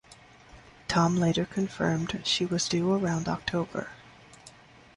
Tom later confirmed she was due around October.